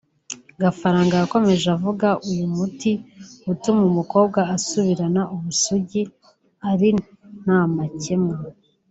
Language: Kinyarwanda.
Gafaranga yakomeje avuga uyu muti utuma umukobwa asubirana ubusugi ari nta makemwa